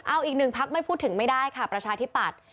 เอาอีกหนึ่งพักไม่พูดถึงไม่ได้ค่ะประชาธิปัตย์